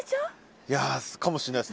いやかもしんないですね。